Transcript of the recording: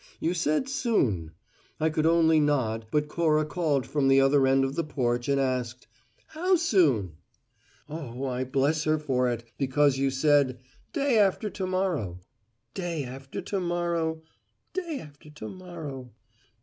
You said `soon'! I could only nod but Cora called from the other end of the porch and asked: `_How_ soon?' Oh, I bless her for it, because you said, `Day after to morrow.' Day after tomorrow! Day after to morrow!